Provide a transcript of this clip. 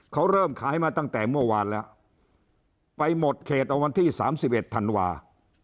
เขาเริ่มขายมาตั้งแต่เมื่อวานแล้วไปหมดเขตเอาวันที่๓๑ธันวา